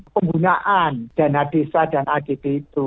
penggunaan dana desa dan agb itu